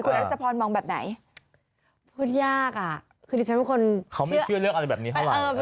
รัชพรมองแบบไหนพูดยากอ่ะคือดิฉันเป็นคนเขาไม่เชื่อเรื่องอะไรแบบนี้เท่าไหร่